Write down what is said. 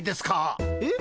えっ？